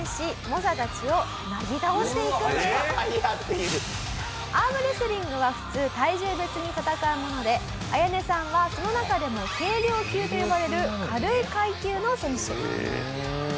一気にアームレスリングは普通体重別に戦うものでアヤネさんはその中でも軽量級と呼ばれる軽い階級の選手。